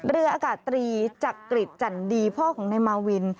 เรืออากาศตรีจักริจจันดีพ่อของนายมาวิน